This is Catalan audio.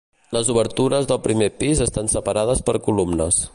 Les obertures del primer pis estan separades per columnes.